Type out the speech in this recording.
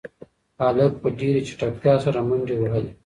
هلک په ډېرې چټکتیا سره منډې وهلې.